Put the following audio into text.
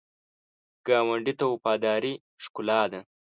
ګاونډي ته وفاداري ښکلا ده